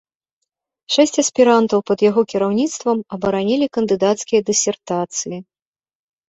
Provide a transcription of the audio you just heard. Шэсць аспірантаў пад яго кіраўніцтвам абаранілі кандыдацкія дысертацыі.